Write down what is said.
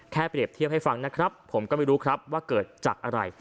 เปรียบเทียบให้ฟังนะครับผมก็ไม่รู้ครับว่าเกิดจากอะไร